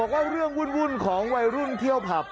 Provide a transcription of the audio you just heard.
ก็เรื่องวุ่นของวัยรุ่นเที่ยวผับ